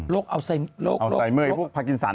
โรคอัลไซม์เมื่อพวกภาคกิณศร